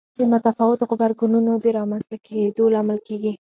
د متفاوتو غبرګونونو د رامنځته کېدو لامل کېږي.